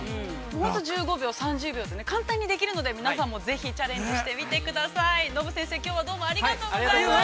◆本当、１５秒、３０秒で簡単にできるので皆さんも、ぜひチャレンジしてみてください。ｎｏｂｕ先生、きょうはどうもありがとうございました。